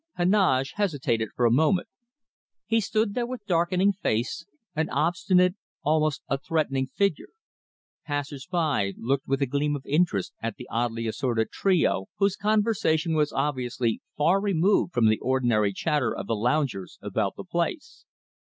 Heneage hesitated for a moment. He stood there with darkening face, an obstinate, almost a threatening figure. Passers by looked with a gleam of interest at the oddly assorted trio, whose conversation was obviously far removed from the ordinary chatter of the loungers about the place.